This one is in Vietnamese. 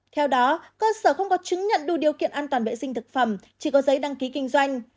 theo đó cơ sở không có chứng nhận đủ điều kiện an toàn vệ sinh thực phẩm chỉ có giấy đăng ký kinh doanh